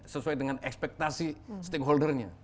sesuai dengan ekspektasi stakeholder nya